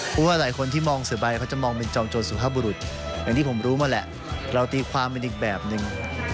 เพราะว่าหลายคนที่มองเสือใบเขาจะมองเป็นจองโจรสุภาพบุรุษอย่างที่ผมรู้มาแหละเราตีความเป็นอีกแบบหนึ่ง